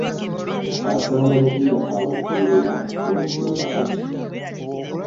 Asamba mupiira kaabukeerera n'okutuusa kati.